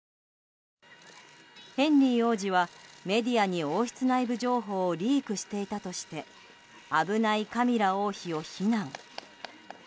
ヘンリー王子はメディアに王室内部情報をリークしていたとして危ないカミラ王妃を非難。